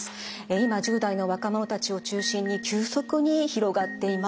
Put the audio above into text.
今１０代の若者たちを中心に急速に広がっています。